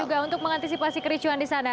dan juga untuk mengantisipasi kericuan di sana